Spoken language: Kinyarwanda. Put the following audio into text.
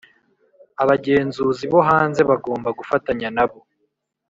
abagenzuzi bo hanze bagomba gufatanya nabo